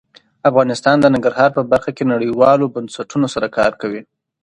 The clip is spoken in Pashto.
افغانستان د ننګرهار په برخه کې نړیوالو بنسټونو سره کار کوي.